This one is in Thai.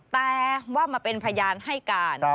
แต่ว่ามาเป็นพยานให้การ